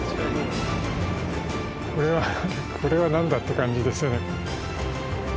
これはこれは何だって感じですよね。